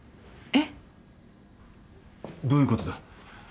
えっ？どういうことだ？